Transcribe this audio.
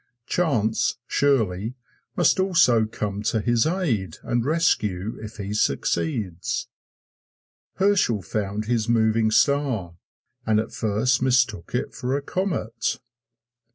Chance, surely, must also come to his aid and rescue if he succeeds. Herschel found his moving star, and at first mistook it for a comet.